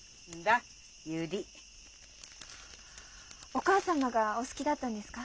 お母様がお好きだったんですか？